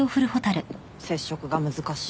接触が難しい。